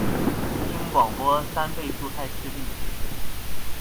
聽廣播三倍速太吃力